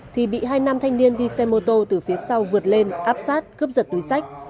thì bị hai nam thanh niên đi xe mô tô từ phía sau vượt lên áp sát cướp giật túi sách